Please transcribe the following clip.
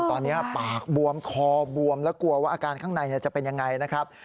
ตอนนี้ปากบวมคอบวมแล้วกลัวว่าอาการข้างในจะเป็นยังไงนะครับ